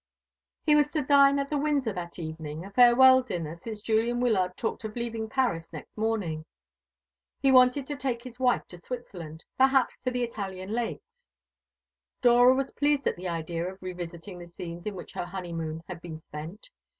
He was to dine at the Windsor that evening a farewell dinner, since Julian Wyllard talked of leaving Paris next morning. He wanted to take his wife to Switzerland, perhaps to the Italian lakes. Dora was pleased at the idea of revisiting the scenes in which her honeymoon had been spent.